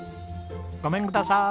ごめんください！